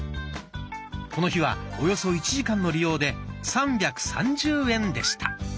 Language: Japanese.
この日はおよそ１時間の利用で３３０円でした。